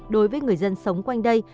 đối với người dân sống quanh đây